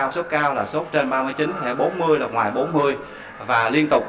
sốc cao là sốc trên ba mươi chín bốn mươi là ngoài bốn mươi và liên tục